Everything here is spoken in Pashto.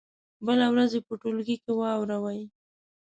بله ورځ یې په ټولګي کې واوروئ.